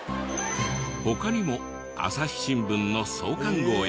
他にも『朝日新聞』の創刊号や。